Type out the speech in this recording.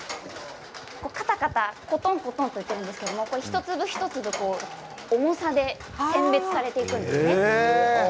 カタカタ、コトンコトンといっていますが、一粒一粒重さで選別されていくんですね。